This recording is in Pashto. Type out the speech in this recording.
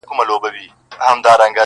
له مستۍ به یې په ډزو کي شیشنی سو -